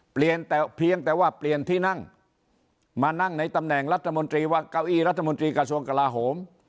เปลี่ยนแต่เพียงแต่ว่าเปลี่ยนที่นั่งมานั่งในตำแหน่งรัฐมนตรีว่าเก้าอี้รัฐมนตรีกระทรวงกลาโหม